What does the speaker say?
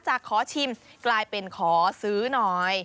ขอชิมกลายเป็นขอซื้อหน่อย